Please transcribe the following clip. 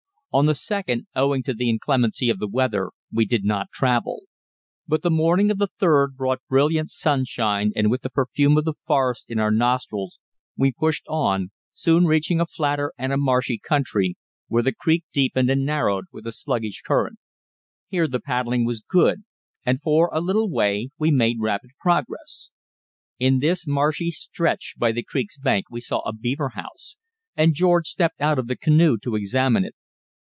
On the 2d, owing to the inclemency of the weather, we did not travel; but the morning of the 3d brought brilliant sunshine and with the perfume of the forest in our nostrils we pushed on, soon reaching a flatter and a marshy country, where the creek deepened and narrowed with a sluggish current. Here the paddling was good, and for a little way we made rapid progress. In this marshy stretch by the creek's bank we saw a beaver house, and George stepped out of the canoe to examine it.